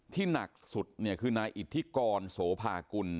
หนักสุดเนี่ยคือนายอิทธิกรโสภากุล